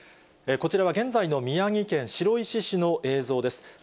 こちらは現在の宮城県白石市の映像です。